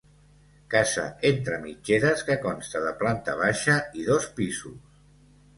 Casa entre mitgeres que consta de planta baixa i dos pisos.